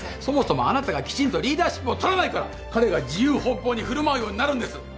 そもそもあなたがきちんとリーダーシップを取らないから彼が自由奔放に振る舞うようになるんです。